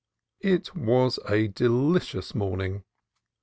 It was a delicious morning.